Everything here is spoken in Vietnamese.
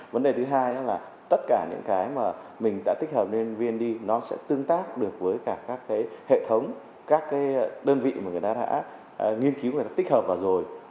vấn đề thứ hai là tất cả những cái mà mình đã tích hợp lên vnd nó sẽ tương tác được với cả các cái hệ thống các cái đơn vị mà người ta đã nghiên cứu người ta tích hợp vào rồi